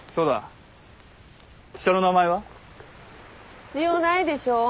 必要ないでしょ。